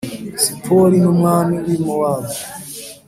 Sipori numwami w i Mowabu.